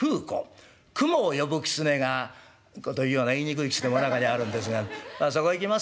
雲を呼ぶ狐がこというような言いにくい狐も中にはあるんですがそこいきます